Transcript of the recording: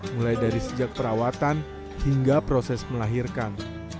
mulai dari sejak perawatan hingga proses melahirkan